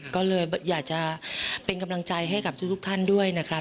ก็เลยอยากจะเป็นกำลังใจให้กับทุกท่านด้วยนะครับ